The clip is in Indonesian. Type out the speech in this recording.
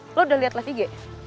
pak lo udah liat lah fige